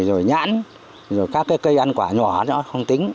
rồi nhãn rồi các cái cây ăn quả nhỏ nữa không tính